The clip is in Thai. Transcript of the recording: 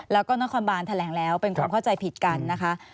แล้วก็นครบานแถลงแล้วเป็นความเข้าใจผิดกันนะคะ